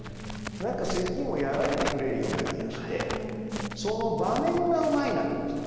何か咳も和らげてくれるような気がしてその場面がうまいなと思いました。